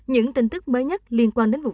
những tin tức mới nhất liên quan đến vụ